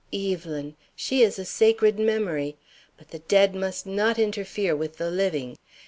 Evelyn! She is a sacred memory. But the dead must not interfere with the living.